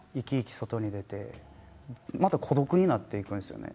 外に出てまた孤独になっていくんですよね。